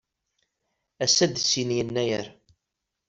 Ass-a d sin Yennayer.